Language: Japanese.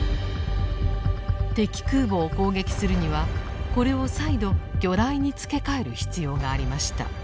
敵空母を攻撃するにはこれを再度魚雷に付け替える必要がありました。